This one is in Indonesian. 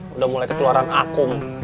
udah mulai ketularan akung